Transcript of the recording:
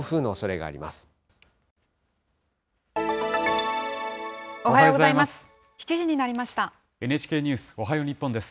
おはようございます。